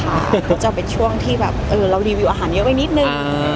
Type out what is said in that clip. เราจะบอกว่าช่วงที่เรารีวิวอาหารเยอะไปนิดนึง